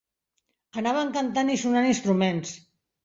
Anaven cantant i sonant instruments.